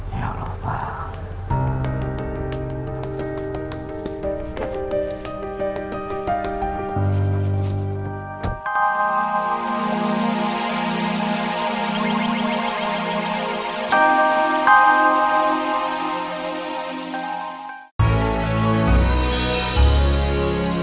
ya lho pak